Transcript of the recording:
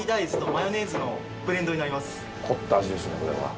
凝った味ですねこれは。